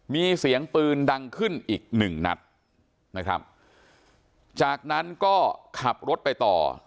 มีเสียงปืนดังขึ้นอีกหนึ่งนัดนะครับจากนั้นก็ขับรถไปต่อ